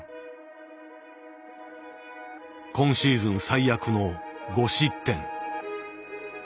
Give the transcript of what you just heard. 今シーズン最悪の５失点。